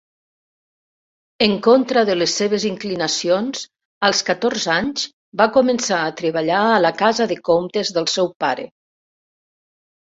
En contra de les seves inclinacions, als catorze anys, va començar a treballar a la casa de comptes del seu pare.